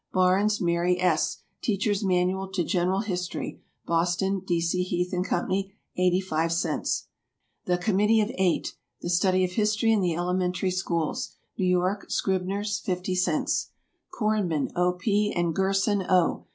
BARNES, MARY S. "Teachers' Manual to General History." Boston, D. C. Heath & Co. 85 cents. COMMITTEE OF EIGHT, THE. "The Study of History in the Elementary Schools." New York, Scribners'. 50 cents. CORNMAN, O. P., and GERSON, O.